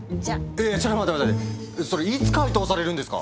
いやいやちょっとそれいつ解凍されるんですか